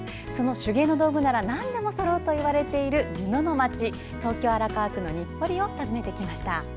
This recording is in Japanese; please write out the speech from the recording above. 手芸の道具ならなんでもそろうといわれている布の街東京・荒川区の日暮里を訪ねてきました。